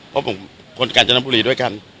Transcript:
เพราะผมคนกาญจนบุรีด้วยกัน